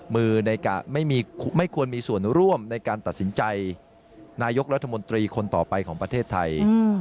ไม่ควรมีส่วนร่วมในการตัดสินใจนายกรัฐมนตรีคนต่อไปของประเทศไทย